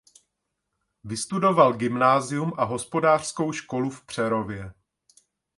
Vystudoval gymnázium a hospodářskou školu v Přerově.